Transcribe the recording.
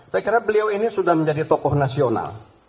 saya kira beliau ini sudah menjadi tokoh nasional